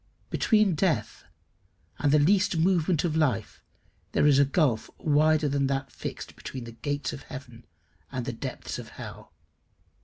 Between death and the least movement of life there is a gulf wider than that fixed between the gates of heaven and the depths of hell.